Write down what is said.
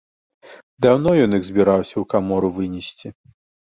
Даўно ён іх збіраўся ў камору вынесці.